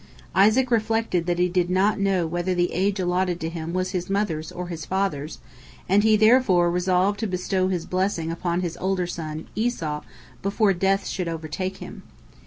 Isaac reflected that he did not know whether the age allotted to him was his mother's or his father's, and he therefore resolved to bestow his blessing upon his older son, Esau, before death should overtake him.